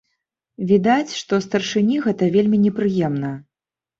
Відаць, што старшыні гэта вельмі непрыемна.